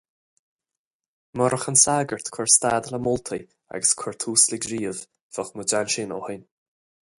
Murach an sagart ag cur stad le moltaí agus ag cur tús le gníomh, bheadh muid ansin ó shin.